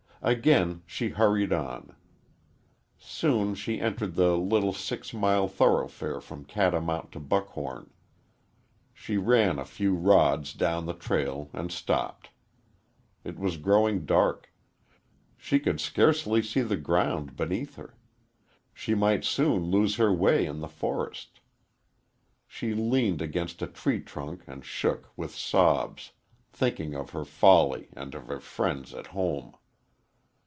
Again she hurried on. Soon she entered the little six mile thoroughfare from Catamount to Buckhorn. She ran a few rods down the trail and stopped. It was growing dark; she could scarcely see the ground beneath her; she might soon lose her way in the forest. She leaned against a tree trunk and shook with sobs, thinking of her folly and of her friends at home.